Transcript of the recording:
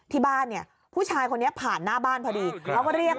ที่บ้านเนี่ยผู้ชายคนนี้ผ่านหน้าบ้านพอดีเขาก็เรียก